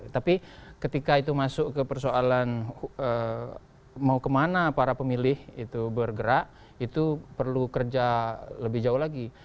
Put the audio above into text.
tapi ketika itu masuk ke persoalan mau kemana para pemilih itu bergerak itu perlu kerja lebih jauh lagi